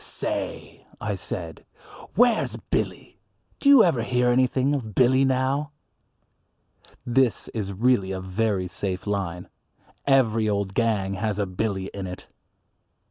"Say!" I said, "where's Billy? Do you ever hear anything of Billy now?" This is really a very safe line. Every old gang has a Billy in it.